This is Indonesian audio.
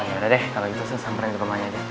oh yaudah deh kalau gitu sus samperin ke rumahnya aja